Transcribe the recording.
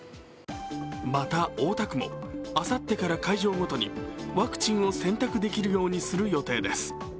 また、大田区もあさってから会場ごとにワクチンを選択できるようにする予定です。